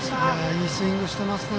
いいスイングしてますね。